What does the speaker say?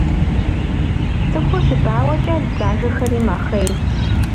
Цӏыхур щыбауэкӏэ дзажэхэри мэхъей.